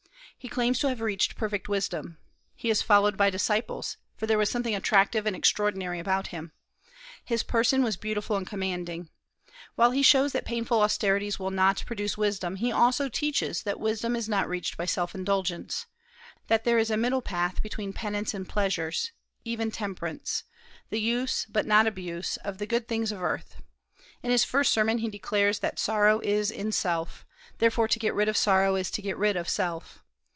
He claims to have reached perfect wisdom. He is followed by disciples, for there was something attractive and extraordinary about him; his person was beautiful and commanding. While he shows that painful austerities will not produce wisdom, he also teaches that wisdom is not reached by self indulgence; that there is a middle path between penance and pleasures, even temperance, the use, but not abuse, of the good things of earth. In his first sermon he declares that sorrow is in self; therefore to get rid of sorrow is to get rid of self.